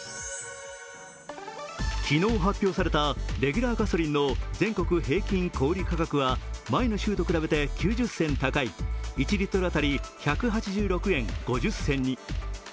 昨日発表されたレギュラーガソリンの全国平均小売価格は前の週と比べて９０銭高い１リットル当たり１８６円５０銭に。